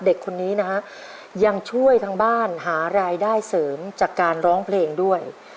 เด็กคนนี้นะฮะยังช่วยทางบ้านหารายได้เสริมจากการร้องเพลงด้วย